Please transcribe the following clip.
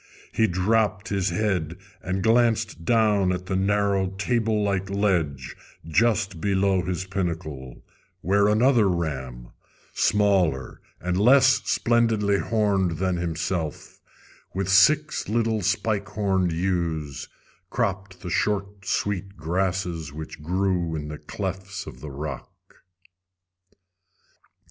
He dropped his head and glanced down at the narrow table like ledge just below his pinnacle, where another ram, smaller and less splendidly horned than himself, with six little spike horned ewes, cropped the short sweet grasses which grew in the clefts of the rock.